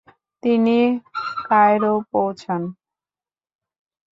তিনি কায়রো পৌছান।